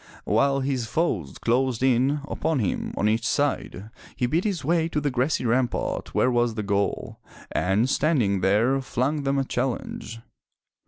While his foes closed in upon him on each side, he beat his way to the grassy rampart where was the goal, and standing there, flung them a challenge.